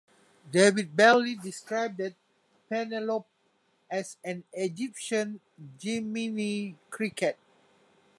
David Bailey described Penelope as "an Egyptian Jimminy Cricket".